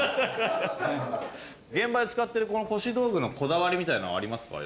現場で使ってるこの腰道具のこだわりみたいなのはありますか？